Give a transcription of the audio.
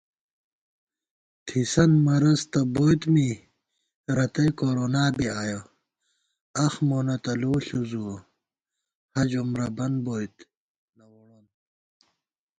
تھِسنت مرض تہ بوئیت می رتیّ کورونا بی آیَہ * اخ مونہ تہ لو ݪُزُوَہ حج عمرہ بن بوئیت نہ ووڑون